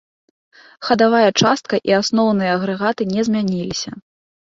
Хадавая частка і асноўныя агрэгаты не змяніліся.